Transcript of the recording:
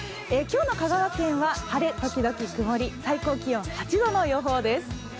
今日の香川県は晴れ時々くもり最高気温８度の予報です。